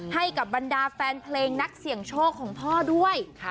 ให้กับบรรดาแฟนเพลงนักเสี่ยงโชคของพ่อด้วย